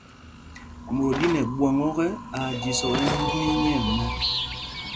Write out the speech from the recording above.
Mot ɗí nɛ ɓwɔŋ ɔ́kɛ, aa jīsɔɔ ɛni nyɛɛmɛt.